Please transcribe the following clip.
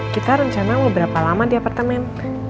kita rencana mau berapa lama di apartemen